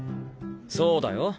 そうだよ。